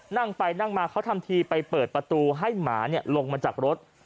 นั่งไปนั่งมาเขาทำทีไปเปิดประตูให้หมาลงมาจากรถ